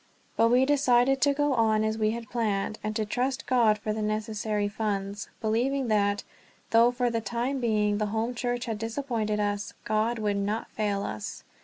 But we decided to go on as we had planned, and to trust God for the necessary funds; believing that, though for the time being the home church had disappointed us, God would not fail us.